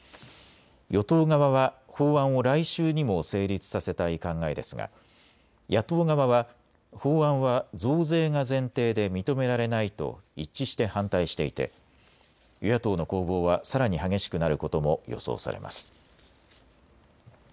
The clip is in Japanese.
与党側は法案を来週にも成立させたい考えですが野党側は法案は増税が前提で認められないと一致して反対していて与野党の攻防はさらに激しくなることも予想されます。